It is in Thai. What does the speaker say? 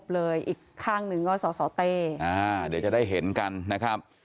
ลูกคุณแม่หายไปตั้งแต่๔ทุ่ม